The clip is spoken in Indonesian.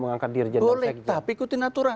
mengangkat dirjen dan seks boleh tapi ikutin aturan